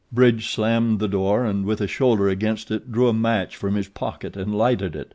Bridge slammed to the door and with a shoulder against it drew a match from his pocket and lighted it.